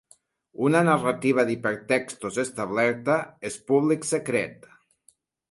Una narrativa d'hipertextos establerta és Public Secret.